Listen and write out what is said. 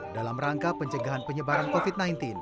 dalam rangka pencegahan penyebaran covid sembilan belas